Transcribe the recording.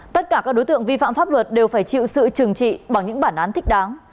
tất cả các đối tượng vi phạm pháp luật đều phải chịu sự trừng trị bằng những bản án thích đáng